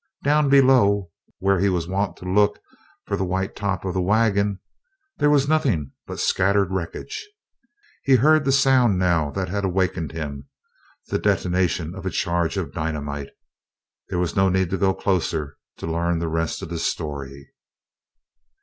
Down below, where he was wont to look for the white top of the wagon, there was nothing but scattered wreckage! He heard the sound now that had awakened him the detonation of a charge of dynamite! There was no need to go closer to learn the rest of the story.